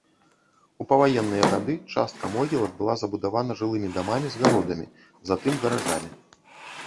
У паваенныя гады частка могілак была забудавана жылымі дамамі з гародамі, затым гаражамі.